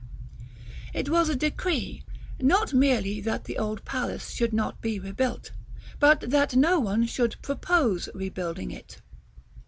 It was a decree, not merely that the old palace should not be rebuilt, but that no one should propose rebuilding it.